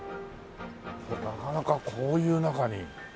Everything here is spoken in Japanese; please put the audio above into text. なかなかこういう中に。